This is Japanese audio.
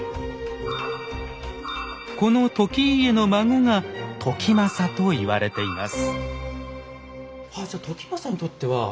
この時家の孫が時政と言われています。